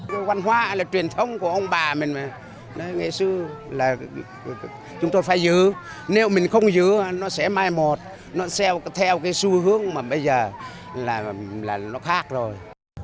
lễ cầu an là lễ hội truyền thống của ông bà mình ngày xưa là chúng tôi phải giữ nếu mình không giữ nó sẽ mai một nó sẽ theo cái xu hướng mà bây giờ là nó khác rồi